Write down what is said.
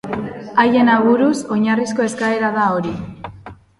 Haien aburuz, oinarrizko eskaera da hori.